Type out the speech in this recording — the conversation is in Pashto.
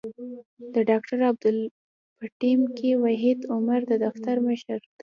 د ډاکټر عبدالله په ټیم کې وحید عمر د دفتر مشر دی.